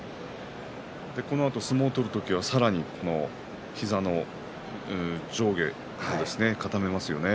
このあと相撲を取る時はさらに膝の上下、固めますよね。